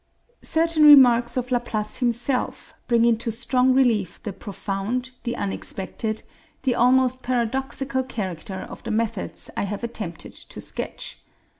Certain remarks of Laplace himself bring into strong relief the profound, the unexpected, the almost paradoxical character of the methods I have attempted to sketch.